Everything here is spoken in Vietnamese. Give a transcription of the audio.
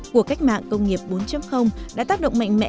cuộc cách mạng công nghiệp bốn đã tác động mạnh mẽ